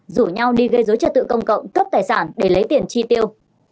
rủ nhau đi gây dối trật tự công cộng cướp tài sản để lấy tiền chi tiêu